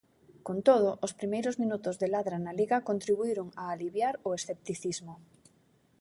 Con todo, os primeiros minutos de Ladra na Liga contribuíron a aliviar o escepticismo.